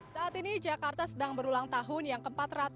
saat ini jakarta sedang berulang tahun yang ke empat ratus sembilan puluh